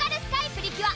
プリキュア